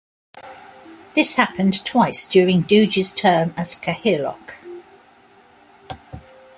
This happened twice during Dooge's term as Cathaoirleach.